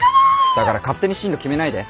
だから勝手に進路決めないで。